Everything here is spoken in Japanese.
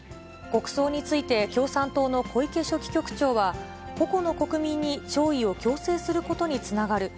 国葬について、共産党の小池書記局長は、個々の国民に弔意を強制することにつながる。